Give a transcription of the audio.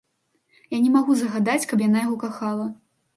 Я не магу загадаць, каб яна яго кахала.